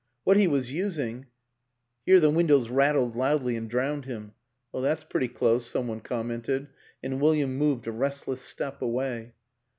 What he was using Here the windows rattled loudly and drowned him. " That's pretty close," some one commented, and William moved a restless step away.